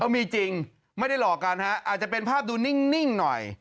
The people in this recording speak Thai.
มีจริงไม่ได้หลอกกันฮะอาจจะเป็นภาพดูนิ่งหน่อย